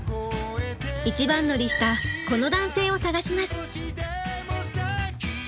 一番乗りしたこの男性を探します。